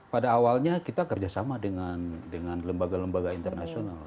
pada awalnya kita kerjasama dengan lembaga lembaga internasional